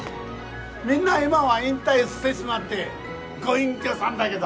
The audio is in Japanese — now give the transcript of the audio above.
みんな今は引退してしまってご隠居さんだげど。